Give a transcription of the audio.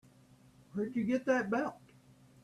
Where'd you get that belt?